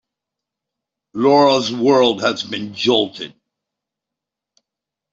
Laura's world has been jolted.